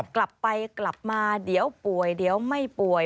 กลับไปกลับมาเดี๋ยวป่วยเดี๋ยวไม่ป่วย